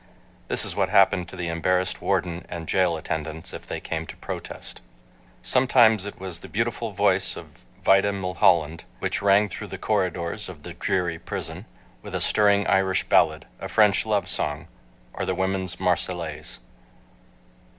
This is what happened to the embarrassed warden and jail attendants if they came to protest. Sometimes it was the beautiful voice of Vida Milholland which rang through the corridors of the dreary prison, with a stirring Irish ballad, a French love song, or the Woman's Marseillaise.